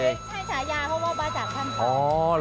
ไม่ใช่ชายาเพราะว่าบ้าจ่างท่านเผ่า